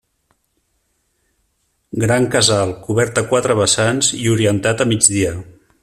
Gran casal cobert a quatre vessants i orientat a migdia.